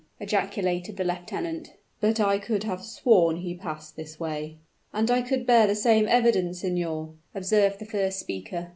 ejaculated the lieutenant, "but I could have sworn he passed this way." "And I could bear the same evidence, signor," observed the first speaker.